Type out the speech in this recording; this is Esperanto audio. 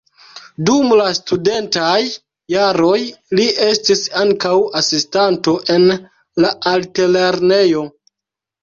Dum la studentaj jaroj li estis ankaŭ asistanto en la altlernejo.